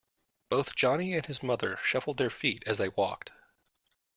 Both Johnny and his mother shuffled their feet as they walked.